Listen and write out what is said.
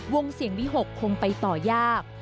วงเสี่ยงวิหกคงไปต่อยาก